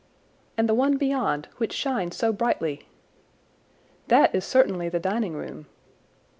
"And the one beyond, which shines so brightly?" "That is certainly the dining room."